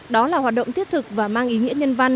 đó là hoạt động thiết thực và mang ý nghĩa nhân văn